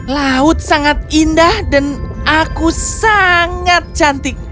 laut sangat indah dan aku sangat cantik